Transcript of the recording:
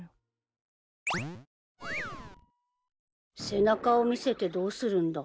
背中を見せてどうするんだ？